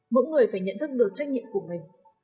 mỗi người phải nhận thức được trách nhiệm của mình